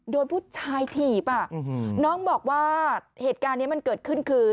โดนผู้ชายถีบน้องบอกว่าเหตุการณ์นี้มันเกิดขึ้นคือ